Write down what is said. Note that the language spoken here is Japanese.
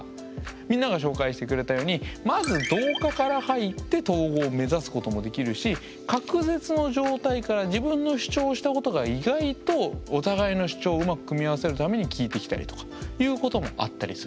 みんなが紹介してくれたようにまず同化から入って統合を目指すこともできるし隔絶の状態から自分の主張したことが意外とお互いの主張をうまく組み合わせるために効いてきたりとかいうこともあったりする。